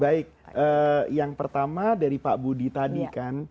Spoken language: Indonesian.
baik yang pertama dari pak budi tadi kan